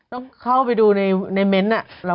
ต้องเข้าไปดูในเม้นต์